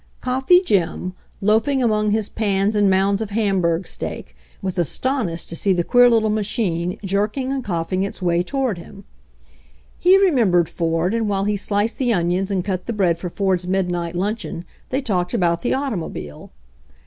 Coffee Jim, loafing among his pans and mounds of hamburg * steak, was astonished to see the queer little machine, jerking and coughing its way toward him. He remembered Ford,, and while he sliced the onions and cut the bread for Ford's midnight luncheon they talked about the automobile.